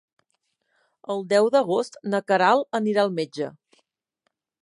El deu d'agost na Queralt anirà al metge.